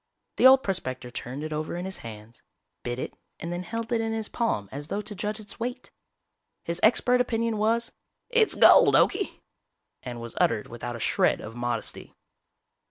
The old prospector turned it over in his hands, bit it and then held it in his palm as though to judge its weight. His expert opinion was, "It's gold, Okie," and was uttered without a shred of modesty.